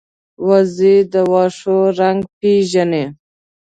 وزې د واښو رنګ پېژني